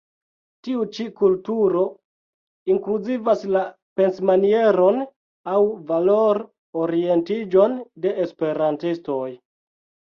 Tiu ĉi kulturo inkluzivas la pensmanieron aŭ valor-orientiĝon de esperantistoj.